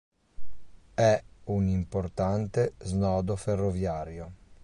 È un importante snodo ferroviario.